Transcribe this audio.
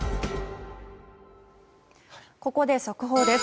ここで速報です。